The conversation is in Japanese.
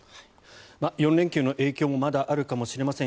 ４連休の影響もまだあるかもしれません。